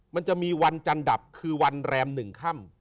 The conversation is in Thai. มันจะมีวันจันดับคือวันแรม๑ค่ำ